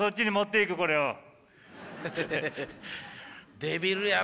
デビルやな。